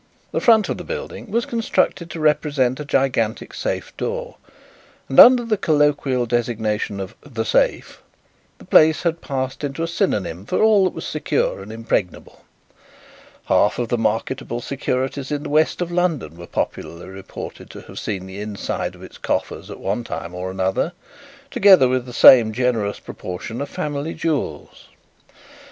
The front of the building was constructed to represent a gigantic safe door, and under the colloquial designation of "The Safe" the place had passed into a synonym for all that was secure and impregnable. Half of the marketable securities in the west of London were popularly reported to have seen the inside of its coffers at one time or another, together with the same generous proportion of family jewels.